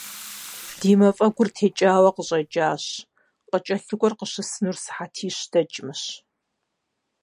Ди мафӀэгур текӏауэ къыщӀэкӀащ, къыкӀэлъыкӀуэр къыщысынур сыхьэтищ дэкӀмэщ.